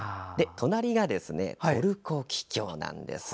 隣がトルコキキョウなんです。